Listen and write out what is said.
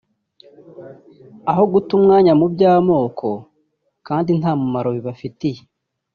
aho guta umwanya mu by’amoko kandi nta mumaro bibafitiye